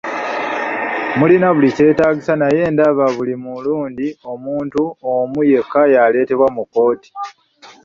Mulina buli kyetaagisa naye ndaba buli mulundi omuntu omu yekka y'aleetebwa mu kkooti!